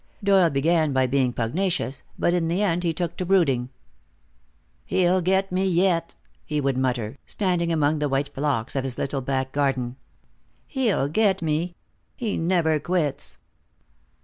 Doyle began by being pugnacious, but in the end he took to brooding. "He'll get me yet," he would mutter, standing among the white phlox of his little back garden. "He'll get me. He never quits."